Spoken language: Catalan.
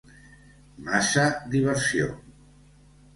Massa diversió!!